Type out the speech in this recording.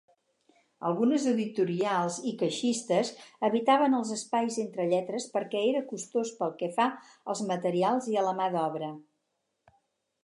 Algunes editorials i caixistes evitaven els espais entre lletres perquè era costós pel que fa als materials i la mà d'obra.